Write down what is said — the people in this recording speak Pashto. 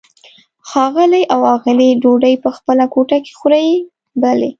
ښاغلی او آغلې ډوډۍ په خپله کوټه کې خوري؟ بلې.